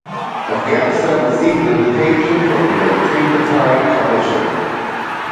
Afghanistan received an invitation from the Tripartite Commission.